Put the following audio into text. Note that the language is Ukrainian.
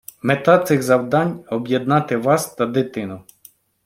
Мета цих завдань – об'єднати вас та дитину.